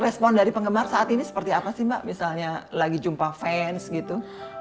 respon dari penggemar saat ini seperti apa sih mbak misalnya lagi jumpa fans gitu